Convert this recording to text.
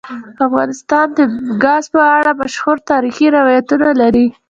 افغانستان د ګاز په اړه مشهور تاریخی روایتونه لري.